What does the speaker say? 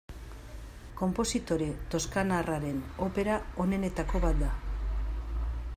Konpositore toskanarraren opera onenetako bat da.